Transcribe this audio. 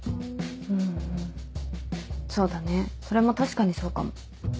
そうだねそれも確かにそうかも。